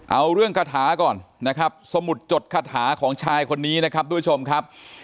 เอาเรื่องคาถาก่อนนะครับสมุดจดคาถาของชายคนนี้นะครับทุกผู้ชมครับ